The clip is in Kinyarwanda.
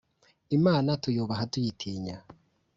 Imana tuyubaha tuyitinya